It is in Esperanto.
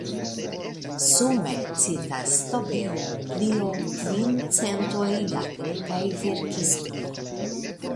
Sume citas Stobeo pli ol kvin centoj da grekaj verkistoj.